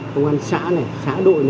công an xã xã đội